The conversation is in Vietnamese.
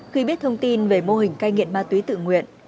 khi biết thông tin về mô hình cai nghiện ma túy tự nguyện